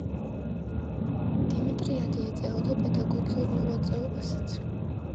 დიმიტრიადი ეწეოდა პედაგოგიურ მოღვაწეობასაც.